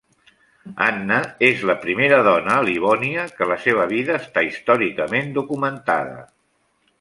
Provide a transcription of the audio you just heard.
Anna és la primera dona a Livònia, que la seva vida està històricament documentada.